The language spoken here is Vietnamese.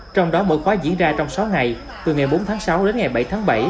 trong đó mỗi khóa diễn ra trong sáu ngày từ ngày bốn tháng sáu đến ngày bảy tháng bảy